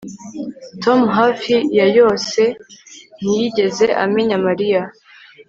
Tom hafi ya yose ntiyigeze amenya Mariya